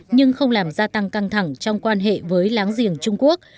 nhưng không làm gia tăng căng thẳng trong quan hệ với láng giềng trung quốc